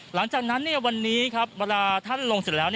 หลังจากนั้นวันนี้ครับเวลาท่านลงเสร็จแล้ว